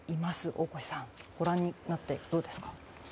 大越さん、ご覧になってどうですか。